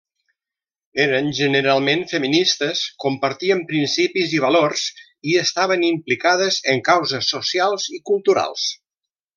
Eren generalment feministes, compartien principis i valors, i estaven implicades en causes socials i culturals.